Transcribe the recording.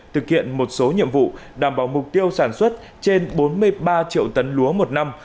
thực hiện một số nhiệm vụ đảm bảo mục tiêu sản xuất trên bốn mươi ba triệu tấn lúa một năm